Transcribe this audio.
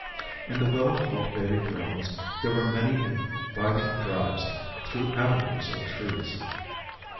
In the well cultivated grounds there were many inviting drives through avenues of trees.